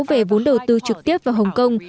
về vốn đầu tư trực tiếp vào hồng kông